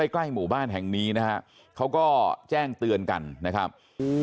ใกล้หมู่บ้านแห่งนี้นะฮะเขาก็แจ้งเตือนกันนะครับอืม